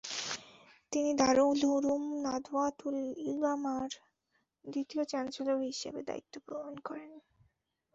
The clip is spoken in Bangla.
তিনি দারুল উলুম নাদওয়াতুল উলামার দ্বিতীয় চ্যান্সেলর হিসেবে দায়িত্ব পালন করেন।